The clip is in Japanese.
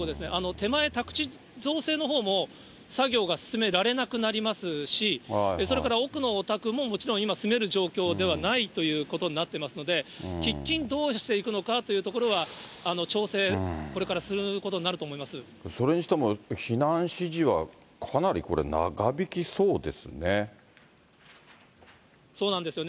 手前、宅地造成のほうも作業が進められなくなりますし、それから奥のお宅も、もちろん今住める状況ではないということになってますので、喫緊、どうしていくのかというところは、調整、これからすることになるとそれにしても、避難指示はかなりこれ、長引きそうですね。